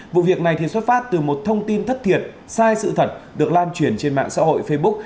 vụ việc này thì xuất phát từ một thông tin thất thiệt sai sự thật được lan truyền trên mạng xã hội facebook